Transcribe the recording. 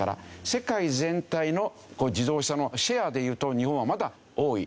世界全体の自動車のシェアでいうと日本はまだ多い。